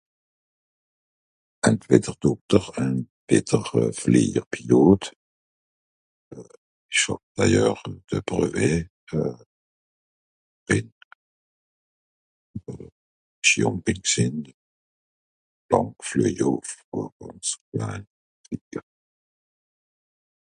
àntwetter dòkter àntwetter fleijerpilote esch hàb d'ailleurs de brevet euh ... bìn gsìn .....